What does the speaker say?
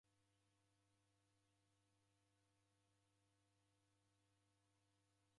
Nguw'o rapo reka rilue rose.